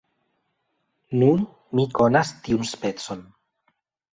Nun mi konas tiun specon.